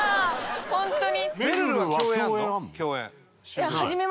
ホントに。